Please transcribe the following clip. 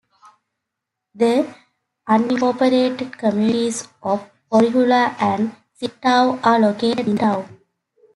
The unincorporated communities of Orihula and Zittau are located in the town.